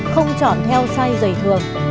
không chọn theo size giày thường